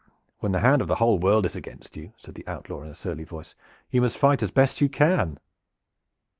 "When the hand of the whole world is against you," said the outlaw in a surly voice, "you must fight as best you can."